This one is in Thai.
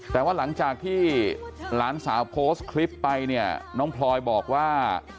แต่ว่าหลังจากที่หลานสาวโพสต์คลิปไปเนี่ยน้องพลอยบอกว่า